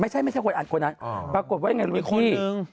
ไม่ใช่ไม่ใช่คนอัดคนอัดปรากฏว่าอย่างไรมีคุณหนึ่ง